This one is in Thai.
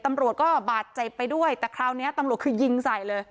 ตำรวจก็บาดเจ็บไปด้วยแต่คราวนี้ตำรวจคือยิงใส่เลย